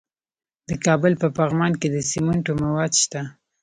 د کابل په پغمان کې د سمنټو مواد شته.